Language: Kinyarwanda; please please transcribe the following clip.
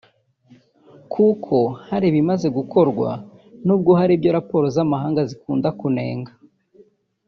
kuko hari ibimaze gukorwa n’ubwo hari ibyo raporo z’amahanga zikunda kunenga